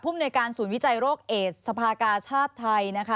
ผู้มนุยการศูนย์วิจัยโรคเอสสภากาชาติไทย